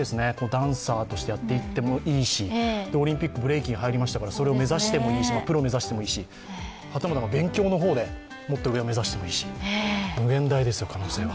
ダンサーとしてやっていってもいいし、オリンピック、ブレイキンはいりましたからプロを目指してもいいしはたまた勉強の方でもっと上を目指してもいいし無限大ですよ、可能性は。